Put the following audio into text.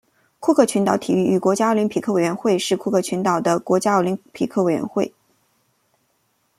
库克群岛体育与国家奥林匹克委员会是库克群岛的国家奥林匹克委员会。